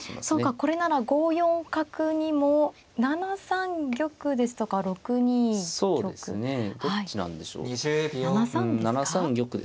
そうかこれなら５四角にも７三玉ですとか６二玉。